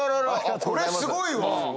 こりゃすごいわ。